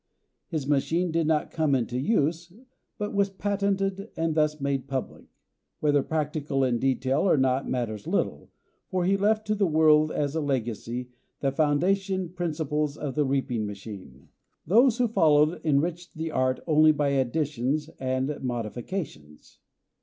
His machine did not come into use, but was patented and thus made public. Whether practical in detail or not matters little, for he left to the world as a legacy the foundation principles of the reaping machine. Those who followed enriched the art only by additions and modifications.